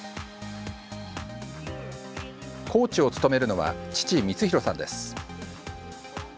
コーチを務めるのは父・充弘さんです。